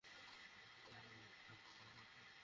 হাস্যকর লাগছে ওনাকে।